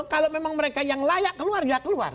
kalau memang mereka yang layak keluar ya keluar